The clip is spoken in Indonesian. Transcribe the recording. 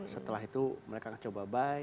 setelah itu mereka akan coba buy